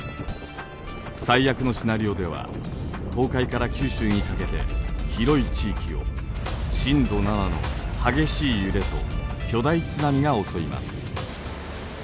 最悪のシナリオでは東海から九州にかけて広い地域を震度７の激しい揺れと巨大津波が襲います。